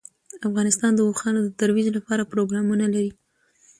افغانستان د اوښانو د ترویج لپاره پروګرامونه لري.